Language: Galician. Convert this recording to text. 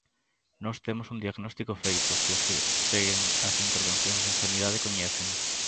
Nós temos un diagnóstico feito, que os que seguen as intervencións en sanidade coñecen.